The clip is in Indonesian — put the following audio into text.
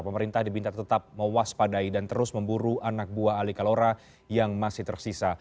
pemerintah dibinta tetap mewaspadai dan terus memburu anak buah ali kalora yang masih tersisa